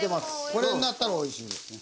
これになったらおいしいですね。